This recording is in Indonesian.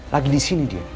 lagi disini dia